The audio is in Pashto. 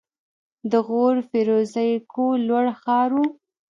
د غور فیروزکوه لوړ ښار و